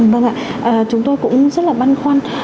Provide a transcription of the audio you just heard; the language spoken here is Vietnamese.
vâng ạ chúng tôi cũng rất là băn khoăn